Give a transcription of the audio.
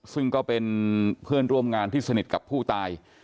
ซึ่งก็เป็นเพื่อนร่วมงานที่สนิทกับผู้ตาย